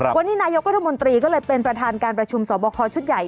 วันนี้นายกรัฐมนตรีก็เลยเป็นประธานการประชุมสอบคอชุดใหญ่